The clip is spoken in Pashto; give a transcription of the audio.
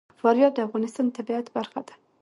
فاریاب د افغانستان د طبیعت برخه ده.